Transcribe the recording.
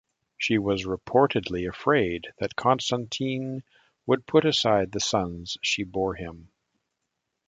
She was reportedly afraid that Constantine would put aside the sons she bore him.